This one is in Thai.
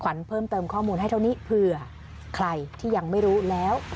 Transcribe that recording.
เพิ่มเติมข้อมูลให้เท่านี้เผื่อใครที่ยังไม่รู้แล้ว